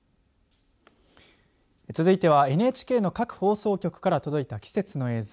続いてはＮＨＫの各放送局から届いた季節の映像。